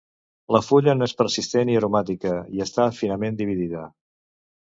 La fulla n'és persistent i aromàtica i està finament dividida.